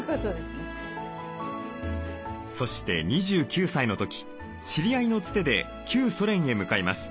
そして２９歳の時知り合いのつてで旧ソ連へ向かいます。